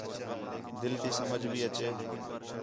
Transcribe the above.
دِل تی سمجھ بھی اچے